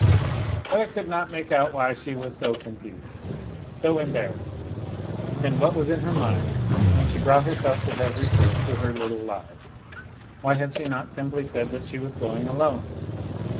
But I could not make out why she was so confused, s embarrassed, and what was in her mind when she brough herself to have recourse to her little lie ? Why had she not simpl said that she was going alone